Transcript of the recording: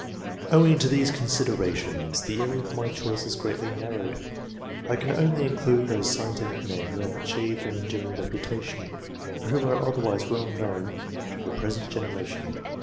Owing to these considerations, the area of my choice is greatly narrowed. I can only include those scientific men who have achieved an enduring reputation, or who are otherwise well known to the present generation.